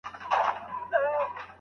خلګ ساعت ته ګوري.